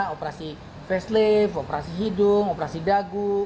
operasi facelift operasi hidung operasi dagu